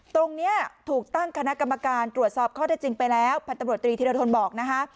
ตรงนี้ถูกตั้งคณะกรรมการตรวจสอบข้อได้จริงไปแล้วพันตำรวจตรีธิรทนบอกนะคะ